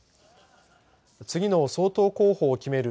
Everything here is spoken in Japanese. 次の総統候補を決める